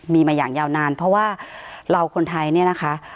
มีมาอย่างยาวนานเพราะว่าเราคนไทยเนี่ยนะคะ